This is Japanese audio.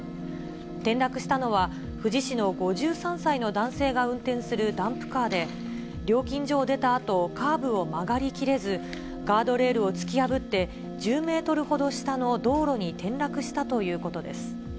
転落したのは、富士市の５３歳の男性が運転するダンプカーで、料金所を出たあと、カーブを曲がり切れず、ガードレールを突き破って、１０メートルほど下の道路に転落したということです。